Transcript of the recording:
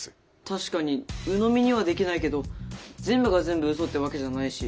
確かにうのみにはできないけど全部が全部うそってわけじゃないし。